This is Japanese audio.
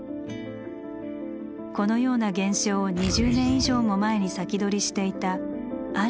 このような現象を２０年以上も前に先取りしていたあるゲームがありました。